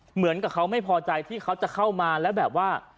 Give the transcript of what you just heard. เหมือนกับเขาไม่พอใจที่เขาจะเข้ามาแล้วแบบว่า